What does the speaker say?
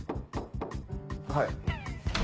はい。